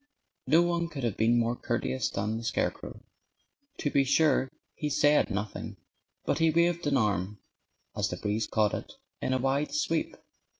No one could have been more courteous than the scarecrow. To be sure, he said nothing. But he waved an arm (as the breeze caught it) in a wide sweep.